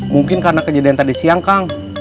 mungkin karena kejadian tadi siang kang